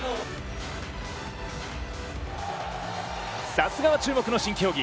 さすがは注目の新競技。